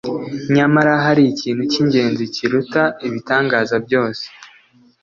Nyamara hari ikintu cy'ingenzi kiruta ibitangaza byose.